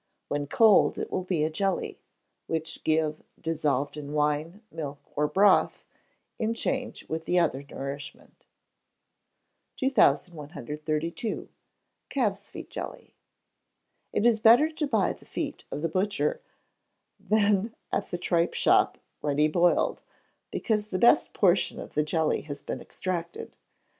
When cold, it will be a jelly, which give, dissolved in wine, milk, or broth, in change with the other nourishment. 2132. Calves' Feet Jelly. It is better to buy the feet of the butcher, than at the tripe shop ready boiled, because the best portion of the jelly has been extracted.